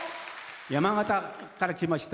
山形から来ました